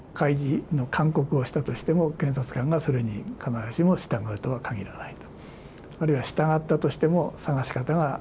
開示の勧告をしたとしても、検察官がそれに必ずしも従うとは限らないと。